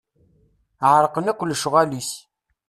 Ɛerqen akk lecɣal-is.